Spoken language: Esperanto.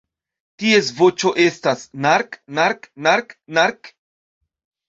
Ties voĉo estas ""nark-nark-nark-nark"".